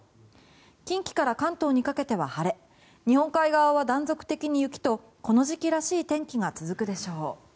近畿から関東にかけては晴れ日本海側は断続的に雪とこの時期らしい天気が続くでしょう。